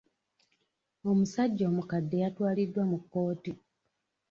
Omusajja omukadde yatwaliddwa mu kkooti.